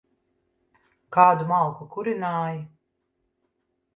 Kādu malku kurināji?